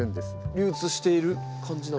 流通している感じなんですか？